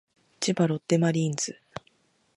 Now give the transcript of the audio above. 千葉ロッテマリーンズ